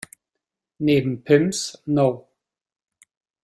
Neben Pimm’s No.